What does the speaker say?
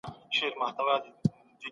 تاسي باید په ژوند کي پرمختګ وکړئ.